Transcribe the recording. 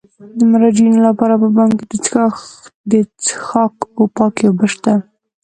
د مراجعینو لپاره په بانک کې د څښاک پاکې اوبه شته.